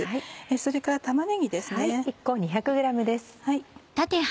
それから玉ねぎです。